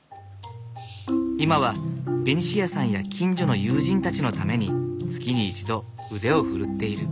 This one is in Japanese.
今はベニシアさんや近所の友人たちのために月に１度腕を振るっている。